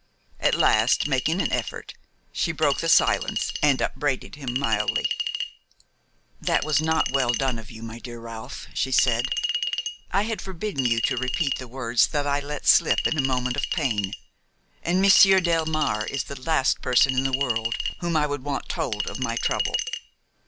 At last, making an effort, she broke the silence and upbraided him mildly. "That was not well done of you, my dear Ralph," she said. "I had forbidden you to repeat the words that I let slip in a moment of pain, and Monsieur Delmare is the last person in the world whom I should want told of my trouble."